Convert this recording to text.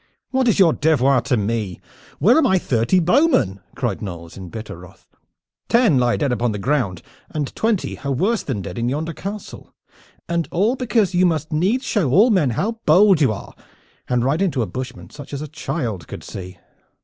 "What is your devoir to me? Where are my thirty bowmen?" cried Knolles in bitter wrath. "Ten lie dead upon the ground and twenty are worse than dead in yonder castle. And all because you must needs show all men how bold you are, and ride into a bushment such as a child could see.